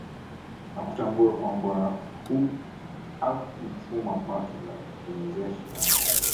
Na kutambua kwamba hakuchuma pato la kumwezesha